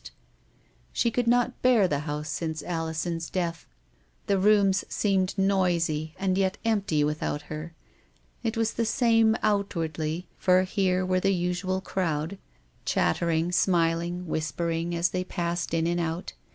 And then, too, she could not bear the house since Alison's death. The rooms seemed noisy and yet empty without her. It was the same outwardly, for here was the usual crowd, chattering, smiling, whispering, as they passed in and out.